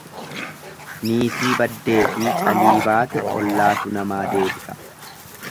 Niitii baddeefi calii baate ollaatu namaa deebisa.